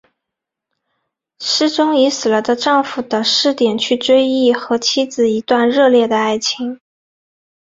诗中以死了的丈夫的视点去追忆和妻子的一段热烈的爱情。